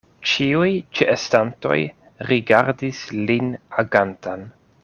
Ĉiuj ĉeestantoj rigardis lin agantan.